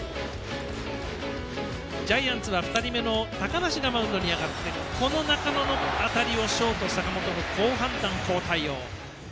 ジャイアンツは２人目の高梨がマウンドに上がって中野の当たりをショートの坂本が好判断、好対応。